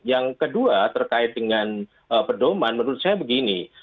yang kedua terkait dengan pedoman menurut saya begini